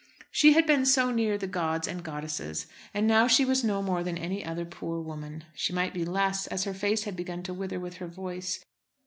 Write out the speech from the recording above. She had been so near the gods and goddesses, and now she was no more than any other poor woman. She might be less, as her face had begun to wither with her voice.